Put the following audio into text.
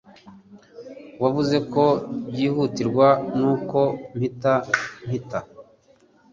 Wavuze ko byihutirwa, nuko mpita mpita.